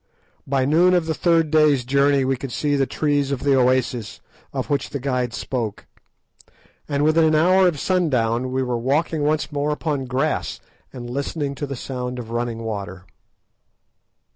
By noon of the third day's journey we could see the trees of the oasis of which the guides spoke, and within an hour of sundown we were walking once more upon grass and listening to the sound of running water.